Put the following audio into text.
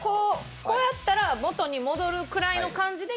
こうやったら元に戻るくらいの感じで。